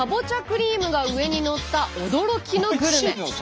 クリームが上にのった驚きのグルメ。